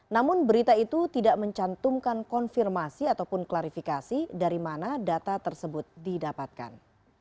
namun berita itu tidak mencantumkan konfirmasi ataupun klarifikasi dari mana data tersebut didapatkan